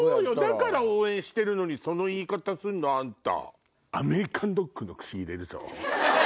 だから応援してるのにその言い方すんの？あんた。